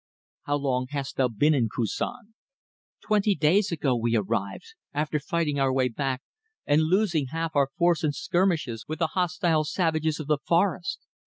"How long hast thou been in Koussan?" "Twenty days ago we arrived, after fighting our way back and losing half our force in skirmishes with the hostile savages of the forest.